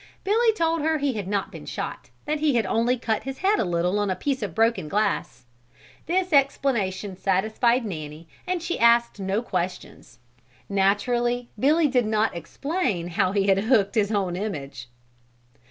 Billy told her he had not been shot and that he had only cut his head a little on a piece of broken glass. This explanation satisfied Nanny and she asked no questions. Naturally Billy did not explain how he had hooked his own image.